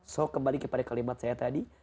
jadi kembali kepada kalimat saya tadi